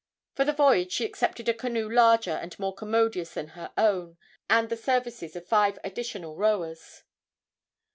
For the voyage she accepted a canoe larger and more commodious than her own, and the services of five additional rowers.